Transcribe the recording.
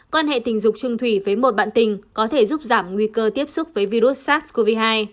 quan hệ tình dục trung thủy với một bạn tình có thể giúp giảm nguy cơ tiếp xúc với virus sars cov hai